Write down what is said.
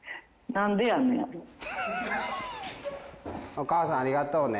お母さんありがとうね。